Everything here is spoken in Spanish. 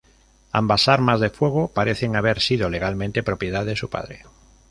Ambas armas de fuego parecen haber sido legalmente propiedad de su padre.